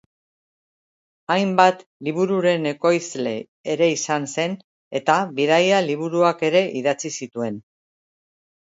Hainbat libururen ekoizle ere izan zen eta bidaia liburuak ere idatzi zituen.